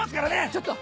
ちょっと！